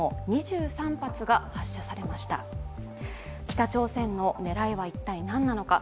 北朝鮮の狙いは一体何なのか。